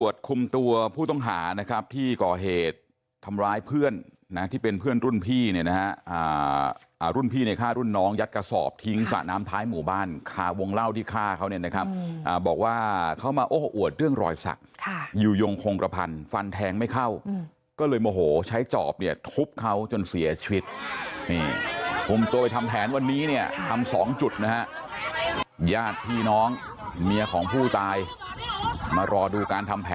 อวดคุมตัวผู้ต้องหานะครับที่ก่อเหตุทำร้ายเพื่อนนะที่เป็นเพื่อนรุ่นพี่เนี่ยนะฮะอ่ารุ่นพี่ในค่ารุ่นน้องยัดกระสอบทิ้งสระน้ำท้ายหมู่บ้านคาวงเล่าที่ฆ่าเขาเนี่ยนะครับอ่าบอกว่าเขามาโอ้โหอวดเรื่องรอยสักค่ะอยู่ยงคงประพันธ์ฟันแทงไม่เข้าก็เลยโมโหใช้จอบเนี่ยทุบเขาจนเสียชีวิตนี่คุมตัวไปทํ